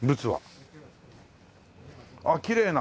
あっきれいな。